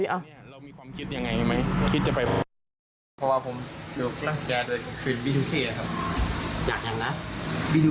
เรามีความคิดอย่างไรไหมคิดจะไปบริษัท